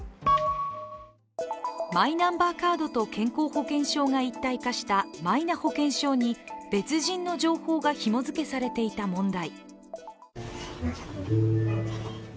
マイナンバーカードと健康保険証が一体化したマイナ保険証に別人の情報がひも付けされていた問題。